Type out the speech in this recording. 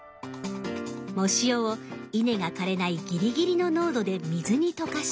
藻塩を稲が枯れないギリギリの濃度で水に溶かし。